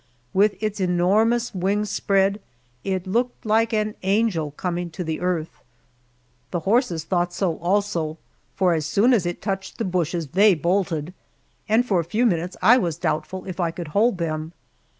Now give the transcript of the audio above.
With its enormous wings spread, it looked like an angel coming to the earth. The horses thought so, also, for as soon as it touched the bushes they bolted, and for a few minutes I was doubtful if I could hold them.